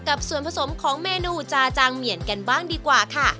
กับส่วนผสมของเมนูจาจางเหมียนกันบ้างดีกว่าค่ะ